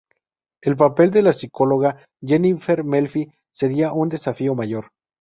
El papel de la psicóloga Jennifer Melfi sería un desafío mayor.